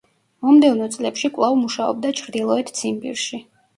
მომდევნო წლებში კვლავ მუშაობდა ჩრდილოეთ ციმბირში.